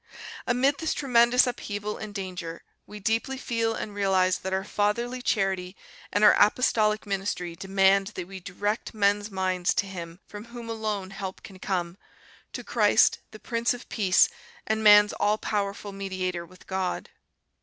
Amid this tremendous upheaval and danger we deeply feel and realize that our fatherly charity and our apostolic ministry demand that we direct men's minds to Him from whom alone help can come, to Christ, the Prince of Peace, and man's all powerful Mediator with God.